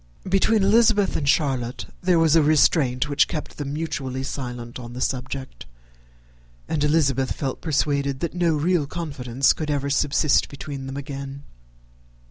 Between Elizabeth and Charlotte there was a restraint which kept them mutually silent on the subject; and Elizabeth felt persuaded that no real confidence could ever subsist between them again.